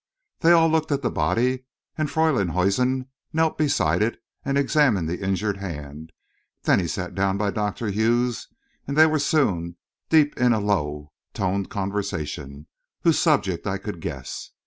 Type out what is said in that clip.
They all looked at the body, and Freylinghuisen knelt beside it and examined the injured hand; then he sat down by Dr. Hughes, and they were soon deep in a low toned conversation, whose subject I could guess.